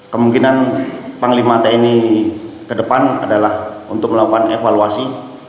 kemungkinan panglima tni ke depan adalah untuk melakukan evaluasi